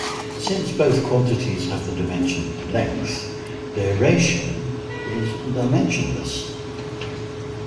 Since both quantities have the dimension "length", their ratio is dimensionless.